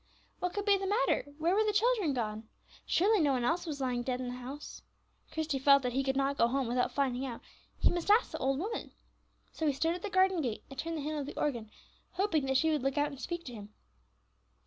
What could be the matter? Where were the children gone? surely no one else was lying dead in the house. Christie felt that he could not go home without finding out; he must ask the old woman. So he stood at the garden gate, and turned the handle of the organ, hoping that she would look out and speak to him.